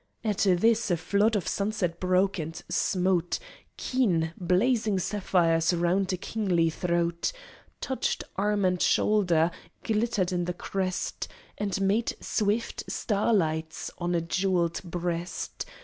At this a flood of sunset broke, and smote Keen, blazing sapphires round a kingly throat, Touched arm and shoulder, glittered in the crest, And made swift starlights on a jewelled breast.